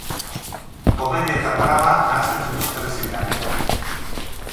Komedia eta drama nahasten ditu telesailak.